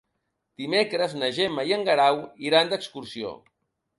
Dimecres na Gemma i en Guerau iran d'excursió.